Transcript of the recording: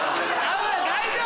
大丈夫？